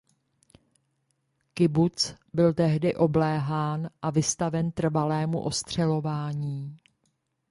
Kibuc byl tehdy obléhán a vystaven trvalému ostřelování.